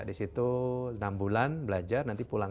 di situ enam bulan belajar nanti pulang